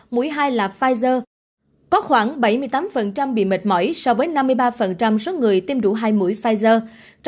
mũi hai là pfizer có khoảng bảy mươi tám bị mệt mỏi so với năm mươi ba số người tiêm đủ hai mũi pfizer